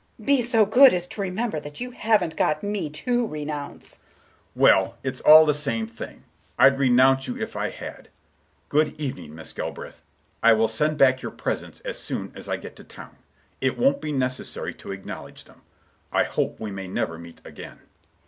Be so good as to remember that you haven't got me to renounce!" Mr. Richards: "Well, it's all the same thing. I'd renounce you if I had. Good evening, Miss Galbraith. I will send back your presents as soon as I get to town; it won't be necessary to acknowledge them. I hope we may never meet again."